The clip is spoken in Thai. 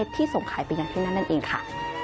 ที่ส่งขายไปยังที่นั่นนั่นเองค่ะ